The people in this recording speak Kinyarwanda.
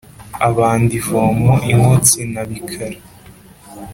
abanda ivomo i nkotsi na bikara